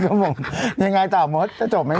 ก็บอกยังไงต่อหมดจะจบไหม